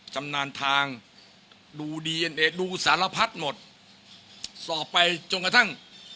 จำนานทางดูดีเอ็นเอดูสารพัดหมดสอบไปจนกระทั่ง